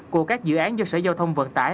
của các dự án do sở giao thông vận tải